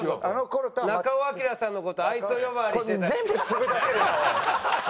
中尾彬さんの事をあいつ呼ばわりしてた。